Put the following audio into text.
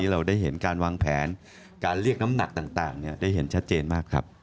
เราได้เห็นการวางแผนการเรียกน้ำหนักต่างได้เห็นชัดเจนมากครับ